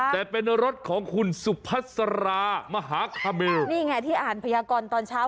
แต่เป็นรถของคุณสุพัสรามหาคาเมลนี่ไงที่อ่านพยากรตอนเช้า